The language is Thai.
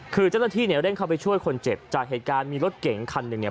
คือเจ้าหน้าที่เนี่ยเร่งเข้าไปช่วยคนเจ็บจากเหตุการณ์มีรถเก่งคันหนึ่งเนี่ย